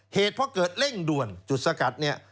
เหตุพอเกิดเร่งด่วนจุดสกัดนี่